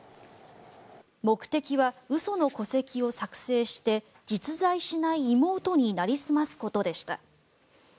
目的は嘘の戸籍を作成して実在しない妹になりすますことでした。